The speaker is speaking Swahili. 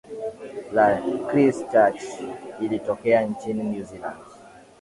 la chrischurch iliyotokea nchini new zealand